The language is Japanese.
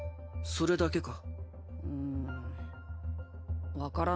それだけか？